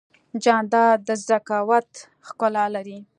جانداد د ذکاوت ښکلا لري.